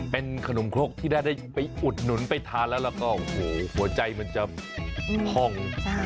เป็นขนมครกที่ได้อุดหนุนไปทานแล้วก็หัวใจมันจะพ่อง